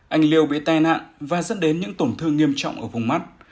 anh liêu bị tai nạn và dẫn đến những tổn thương nghiêm trọng ở vùng mắt